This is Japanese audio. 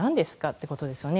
ということですよね。